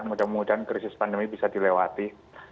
mudah mudahan krisis pandemi bisa dilewati